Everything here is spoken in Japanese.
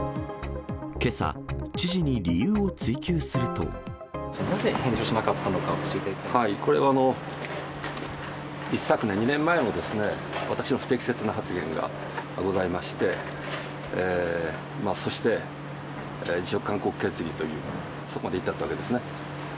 けさ、なぜ、返上しなかったのか、これは、一昨年、２年前の、私の不適切な発言がございまして、そして、辞職勧告決議という、そこに至ったわけですね。